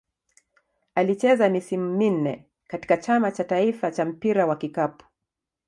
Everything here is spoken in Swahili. Alicheza misimu minne katika Chama cha taifa cha mpira wa kikapu.